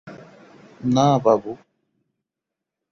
না, বাবু।